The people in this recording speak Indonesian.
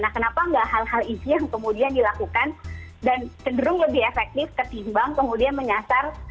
nah kenapa nggak hal hal itu yang kemudian dilakukan dan cenderung lebih efektif ketimbang kemudian menyasar